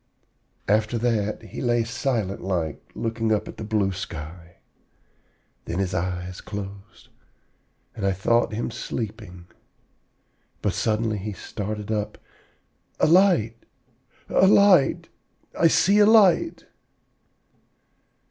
"After that, he lay silent like, looking up at the blue sky. Then his eyes closed, and I thought him sleeping. But suddenly he started up, 'A light, a light! I see a light!'